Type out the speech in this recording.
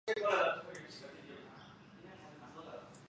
南叉的汉普顿地区也是第二次世界大战后居民数量剧增的地区。